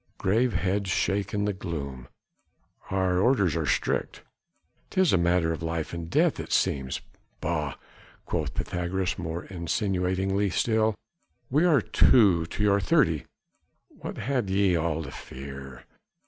Grave heads shake in the gloom. "Our orders are strict...." "'Tis a matter of life and death it seems...." "Bah!" quoth Pythagoras more insinuatingly still, "we are two to your thirty! What have ye all to fear?"